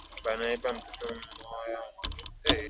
Banaiba mtoto moya wa mbuji